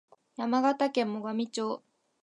山形県最上町